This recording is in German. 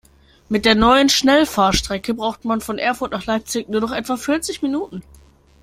Mit der neuen Schnellfahrstrecke braucht man von Erfurt nach Leipzig nur noch etwa vierzig Minuten